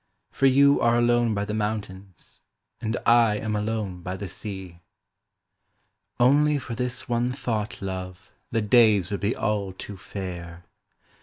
For you are alone by the mountains, and I am alone by the sea ! Only for this one tnought, love, the days would be all too fair.